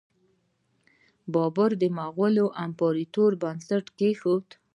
بابر د مغولي امپراتورۍ بنسټ کیښود.